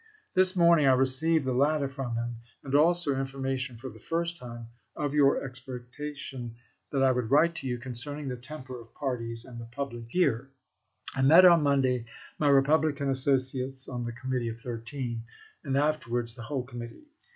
This morning I received the latter from him, and also information for the first time of your expectation that I would write to you concerning the temper of parties and the public here. I met on Monday my Republican associates on the Committee of Thirteen, and afterwards the whole Com mittee.